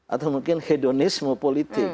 atau mungkin hedonisme politik